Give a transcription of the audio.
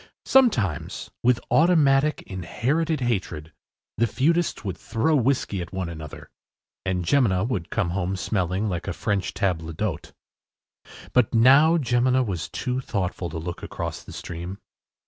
Sometimes, with automatic inherited hatred, the feudists would throw whiskey at each other, and Jemina would come home smelling like a French table d’hôte. But now Jemina was too thoughtful to look across the stream.